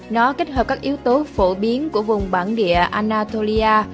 nó kết hợp các yếu tố phổ biến của vùng bản địa anatolia